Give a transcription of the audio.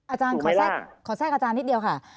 อาจารย์ขอแทรกอาจารย์นิดเดียวค่ะ